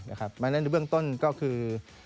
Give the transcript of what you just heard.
ในเรื่องต้นก็คือ